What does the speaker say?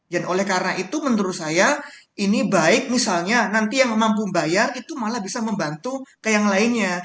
dan oleh karena itu menurut saya ini baik misalnya nanti yang mampu bayar itu malah bisa membantu ke yang lainnya